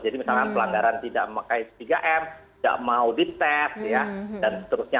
jadi misalkan pelanggaran tidak memakai tiga m tidak mau di test dan seterusnya